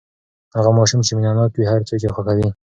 هغه ماشوم چې مینه ناک وي، هر څوک یې خوښوي.